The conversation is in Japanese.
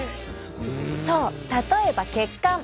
そう例えば血管。